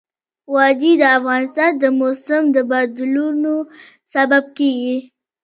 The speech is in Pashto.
وادي د افغانستان د موسم د بدلون سبب کېږي.